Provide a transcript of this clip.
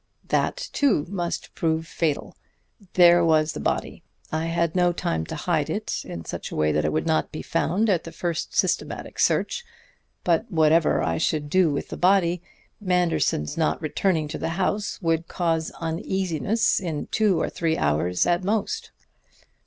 That too must prove fatal. There was the body. I had no time to hide it in such a way that it would not be found at the first systematic search. But whatever I should do with the body, Manderson's not returning to the house would cause uneasiness in two or three hours at most.